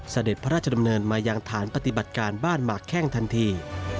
เสด็จพระราชดำเนินมายังฐานปฏิบัติการบ้านหมากแข้งทันที